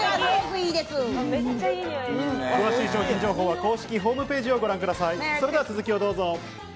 詳しい商品情報は公式ホームページをご覧ください。